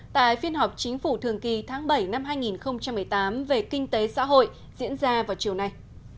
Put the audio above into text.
tại phiên họp chính phủ thường kỳ tháng bảy năm hai nghìn một mươi tám về kinh tế xã hội diễn ra vào chiều nay